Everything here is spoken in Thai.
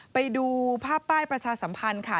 ไปดูภาพป้ายประชาสัมพันธ์ค่ะ